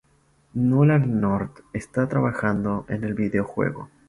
Nolan North está trabajando en el videojuego.